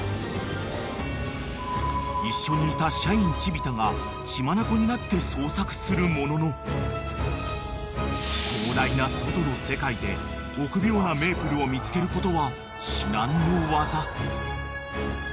［一緒にいた社員チビ太が血眼になって捜索するものの広大な外の世界で臆病なメープルを見つけることは至難の業］